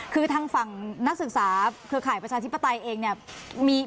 คือทางฝั่งนักศึกษาเครือข่ายประชาธิปไตยเองเนี่ย